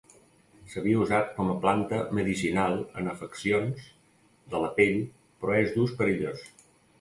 S'havia usat com a planta medicinal en afeccions de la pell però és d'ús perillós.